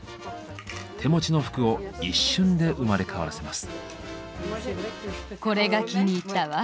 手持ちの服を一瞬で生まれ変わらせます。